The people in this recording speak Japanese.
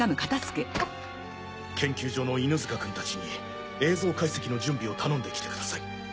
研究所の犬塚くんたちに映像解析の準備を頼んできてください。